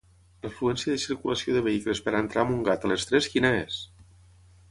L'afluència de circulació de vehicles per entrar a Montgat a les tres quina és?